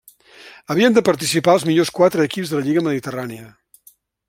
Havien de participar els millors quatre equips de la Lliga Mediterrània.